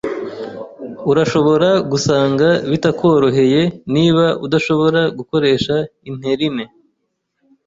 Urashobora gusanga bitakoroheye niba udashobora gukoresha interine